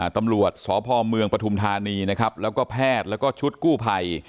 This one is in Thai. ตำรวจสพเมืองปฐุมธานีนะครับแล้วก็แพทย์แล้วก็ชุดกู้ภัย